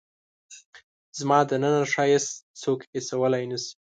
زما دننه ښایست څوک حسولای نه شي